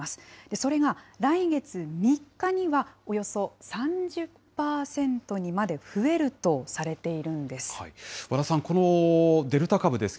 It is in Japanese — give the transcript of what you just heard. それが来月３日には、およそ３０％にまで増えるとされているんです。